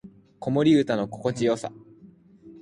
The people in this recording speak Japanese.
子守唄の心地よさ